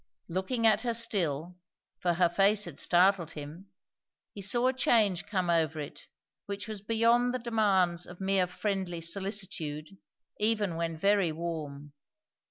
Looking at her still, for her face had startled him, he saw a change come over it which was beyond the demands of mere friendly solicitude, even when very warm.